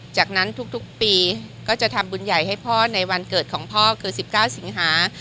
จากนั้นทุกปีก็จะทำบุญใหญ่ให้พ่อในวันเกิดของพ่อคือ๑๙สิงหา